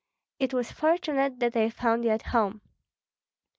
It was fortunate that I found you at home."